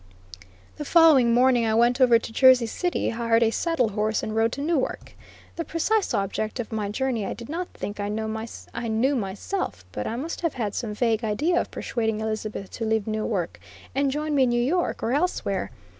The following morning I went over to Jersey City, hired a saddle horse, and rode to Newark. The precise object of my journey I do not think I knew myself; but I must have had some vague idea of persuading Elizabeth to leave Newark and join me in New York or elsewhere.